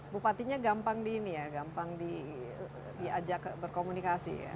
bupatinya gampang di ini ya gampang diajak berkomunikasi ya